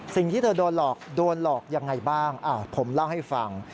สิ่งที่เธอโดนหลอกโดนหลอกยังไงบ้างผมเล่าให้ฟัง